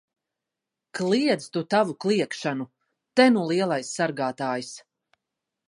Kliedz tu tavu kliegšanu! Te nu lielais sargātājs!